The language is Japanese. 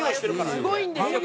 すごいんですよ